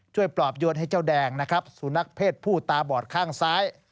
ปลอบโยนให้เจ้าแดงนะครับสุนัขเพศผู้ตาบอดข้างซ้าย